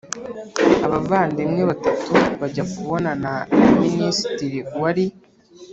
abavandimwe batatu bajya kubonana na Minisitiri wari